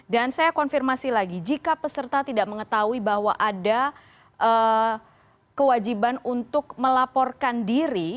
saya konfirmasi lagi jika peserta tidak mengetahui bahwa ada kewajiban untuk melaporkan diri